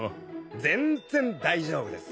全然大丈夫です。